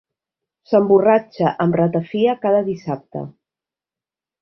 S'emborratxa amb ratafia cada dissabte.